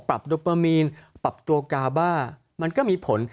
ปรับโดปามีนปรับตัวกาบ่ามันก็มีผล